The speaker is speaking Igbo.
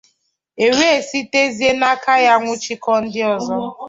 e wee sitezie n'aka ya nwụchikọọ ndị ọzọ.